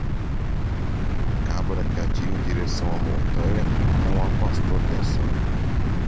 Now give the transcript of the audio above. Cabra que atira em direção à montanha, não há pastor que a salve.